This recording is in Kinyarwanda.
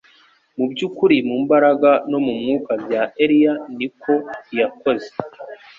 Mu by'ukuri mu mbaraga no mu mwuka bya Eliya ni ko yakoze,